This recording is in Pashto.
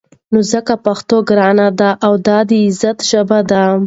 نو ځکه پښتو ګرانه ده او دا د عزت ژبه ده.